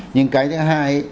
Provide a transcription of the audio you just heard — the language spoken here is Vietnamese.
nhưng cái thứ hai ấy